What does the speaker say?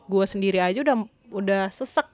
gue sendiri aja udah sesek